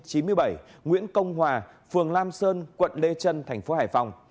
đối tượng nguyễn công hòa phường lam sơn quận lê trân tp hải phòng